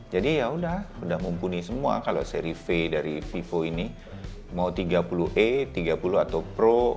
jadi yaudah sudah mumpuni semua kalau seri v dari vivo ini mau tiga puluh e tiga puluh atau pro